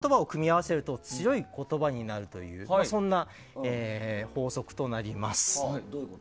反対の言葉を組み合わせると強い言葉になるというそんな法則となります。